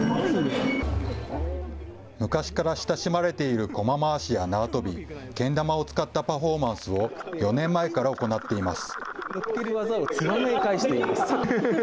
昔から親しまれているこま回しや縄跳びけん玉を使ったパフォーマンスを４年前から行っています。